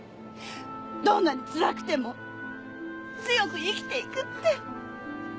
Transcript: どんなに辛くても強く生きていくって！